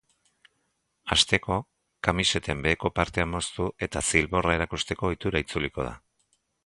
Hasteko, kamiseten beheko partea moztu eta zilborra erakusteko ohitura itzuliko da.